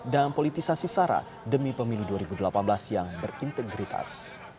dan politisasi sarah demi pemilu dua ribu delapan belas yang berintegritas